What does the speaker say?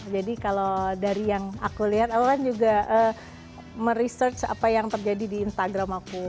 jadi kalau dari yang aku lihat aku kan juga meresearch apa yang terjadi di instagram aku